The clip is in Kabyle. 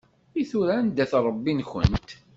I tura anda-t Ṛebbi-nkent?